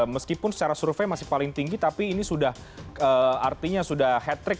meskipun secara survei masih paling tinggi tapi ini sudah artinya sudah hat trick